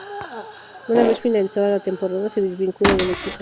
Una vez finalizada la temporada, se desvincula del equipo.